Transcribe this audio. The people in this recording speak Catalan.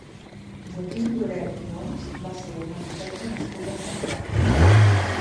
Joaquim Lloret i Homs va ser un arquitecte nascut a Sarrià.